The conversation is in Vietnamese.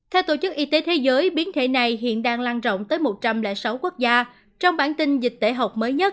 theo tổ chức y tế thế giới biến thể này hiện đang lan rộng tới một trăm linh sáu quốc gia trong bản tin dịch tễ học mới nhất